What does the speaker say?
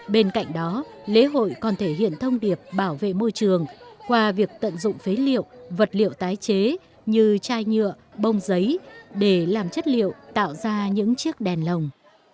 bên cạnh đó lễ hội còn thể hiện thông điệp bảo vệ môi trường qua việc tận dụng phế liệu vật liệu tái chế như chai nhựa bông giấy để làm chất liệu tạo ra những chiếc đèn lồng